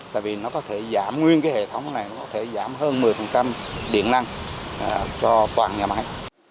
tại vì nó có thể giảm nguyên cái hệ thống này nó có thể giảm hơn một mươi điện năng cho toàn nhà máy